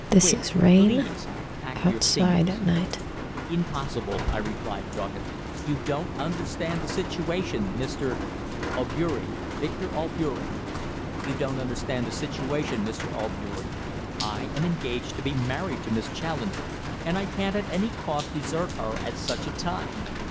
Quick, please, pack your things." "Impossible," I replied doggedly. "You don't understand the situation, Mr. " "Albeury Victor Albeury." "You don't understand the situation, Mr. Albeury I am engaged to be married to Miss Challoner, and I can't at any cost desert her at such a time.